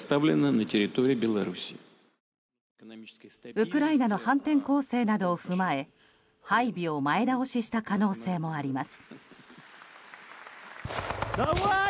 ウクライナの反転攻勢などを踏まえ配備を前倒しした可能性もあります。